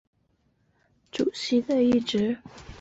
在校期间曾任社会科学学会干事及主席一职。